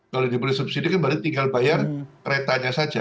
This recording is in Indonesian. kalau dibeli subsidi kan baru tinggal bayar keretanya saja